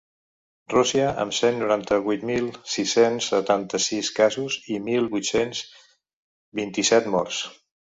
Rússia, amb cent noranta-vuit mil sis-cents setanta-sis casos i mil vuit-cents vint-i-set morts.